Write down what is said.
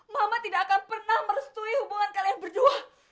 mama tidak akan pernah merestui hubungan kalian berdua